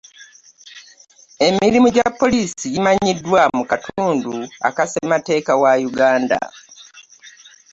Emirimu gya poliisi gimenyeddwa mu katundu aka Ssemateeka wa Uganda.